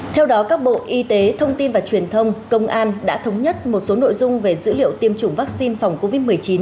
theo đó các bộ y tế thông tin và truyền thông công an đã thống nhất một số nội dung về dữ liệu tiêm chủng vaccine phòng covid một mươi chín